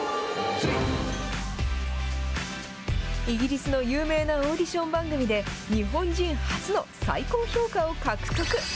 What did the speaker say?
イギリスの有名なオーディション番組で、日本人初の最高評価を獲得。